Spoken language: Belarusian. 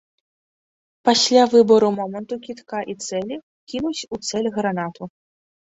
Пасля выбару моманту кідка і цэлі кінуць у цэль гранату.